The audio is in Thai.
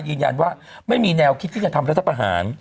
ยืนยันว่าไม่มีแนวคิดที่จะทำรัฐประหาร